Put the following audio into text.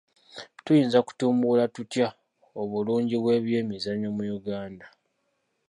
Tuyinza kutumbula tutya obulungi bw'ebyemizannyo mu Uganda?